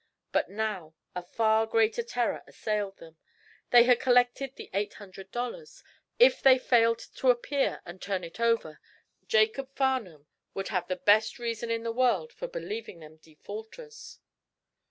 But now, a far greater terror assailed them. They had collected the eight hundred dollars. If they failed to appear and to turn it over, Jacob Farnum would have the best reason in the world for believing them defaulters.